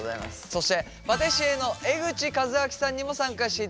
そしてパティシエの江口和明さんにも参加していただきます。